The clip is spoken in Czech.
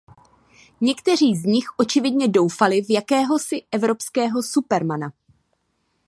Někteří z nich očividně doufali v jakéhosi evropského supermana.